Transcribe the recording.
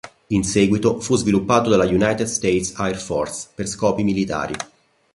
In seguito fu sviluppato dalla United States Air Force per scopi militari.